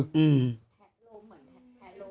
แทะโรมเหมือนกัน